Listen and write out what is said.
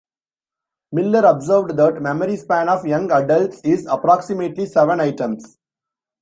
Miller observed that memory span of young adults is approximately seven items.